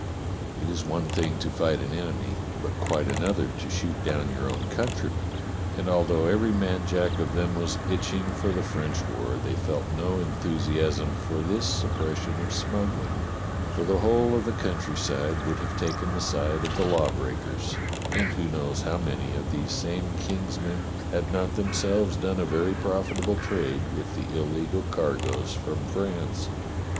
It is one thing to fight an enemy, but quite another to shoot down your own countrymen, and al though every man jack of them was itching for the French war, they felt no enthusiasm for this suppres sion of smuggling, for the whole of the countryside would have taken the side of the lawbreakers, and who knows how many of these same King's men had not them selves done a very profitable trade with the illegal car goes from France.